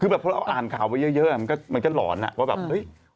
คือแหละพอเราอ่านข่าวมาเยอะมันก็หล่อนแล้วผมบอกด้วยว่า